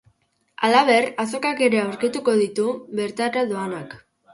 Halaber, azokak ere aurkituko ditu bertara doanak.